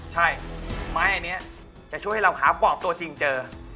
ใช่ไม้อันนี้จะช่วยให้เราหาปอบตัวจริงเจอ